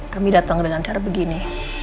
kami datang dengan cara begini